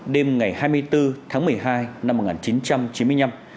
đêm ngày hai mươi bốn tháng một mươi hai năm một nghìn chín trăm chín mươi năm